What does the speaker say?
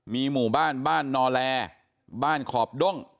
มีหมู่บ้านบ้านนอแลบ้านขอบด้ง